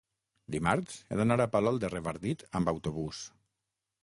dimarts he d'anar a Palol de Revardit amb autobús.